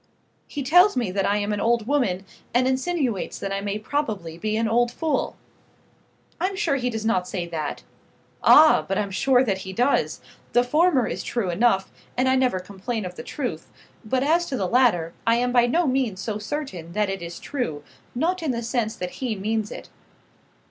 "He tells me that I am an old woman, and insinuates that I may probably be an old fool." "I am sure he does not say that." "Ah! but I'm sure that he does. The former is true enough, and I never complain of the truth. But as to the latter, I am by no means so certain that it is true not in the sense that he means it."